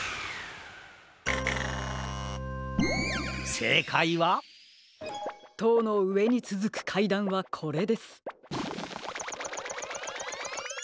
せいかいはとうのうえにつづくかいだんはこれです。